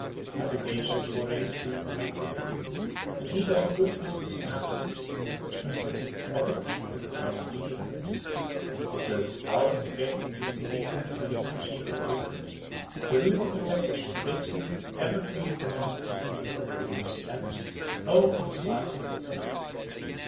Applications for rain, too, are made to him, and he does a good business in amulets, which consist of the teeth and claws of leopards. Yet though his power is great and he is indeed the real chief of the land, the rule of the fetish forbids him ever to leave the mountain, and he must spend the whole of his life on its summit.